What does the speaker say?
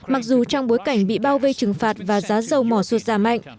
mặc dù trong bối cảnh bị bao vây trừng phạt và giá dầu mỏ suốt ra mạnh